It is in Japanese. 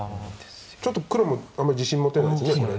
ちょっと黒もあんまり自信持てないですねこれ。